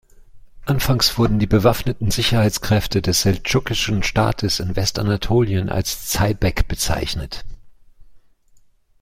Anfangs wurden die bewaffneten Sicherheitskräfte des seldschukischen Staates in Westanatolien als "Zeybek" bezeichnet.